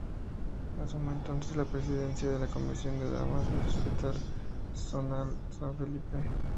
Asume entonces la presidencia de la Comisión de Damas del Hospital Zonal San Felipe.